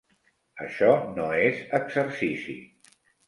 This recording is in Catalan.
Això no és exercici.